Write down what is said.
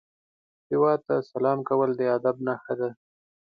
هیواد ته سلام کول د ادب نښه ده